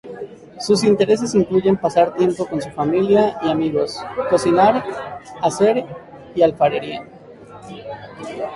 Sus intereses incluyen pasar tiempo con su familia y amigos, cocinar, hacer y alfarería.